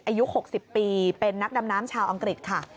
อายุ๖๐ปีเป็นนักดำน้ำชาวอังกฤษค่ะ